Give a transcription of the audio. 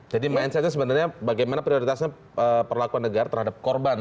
jadi main mainnya sebenarnya bagaimana prioritasnya perlakuan negara terhadap korban